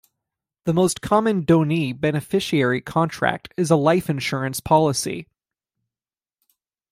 The most common donee beneficiary contract is a life insurance policy.